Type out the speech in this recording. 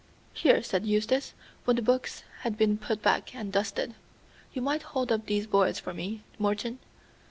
"Here," said Eustace, when the books had been put back and dusted, "you might hold up these boards for me, Morton.